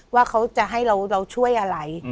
ว่าเขาจะให้เราช่วยอะไร